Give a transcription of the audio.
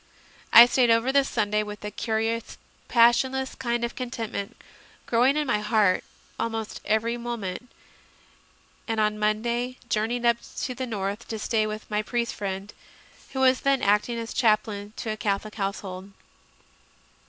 I stayed over the Sunday, with a curious, passionless kind of contentment growing in my heart almost every moment, and on the Monday journeyed up to the north to stay with my priest friend, who was then acting as chaplain to a Catholic household.